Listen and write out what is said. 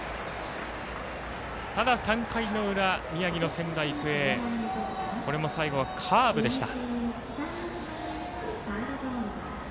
３回の裏、宮城の仙台育英これも最後はカーブでした。